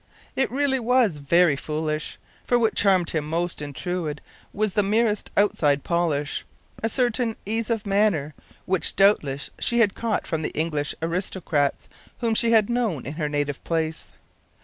It really was very foolish, for what charmed him most in Truide was the merest outside polish, a certain ease of manner which doubtless she had caught from the English aristocrats whom she had known in her native place.